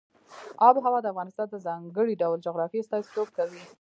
آب وهوا د افغانستان د ځانګړي ډول جغرافیه استازیتوب کوي.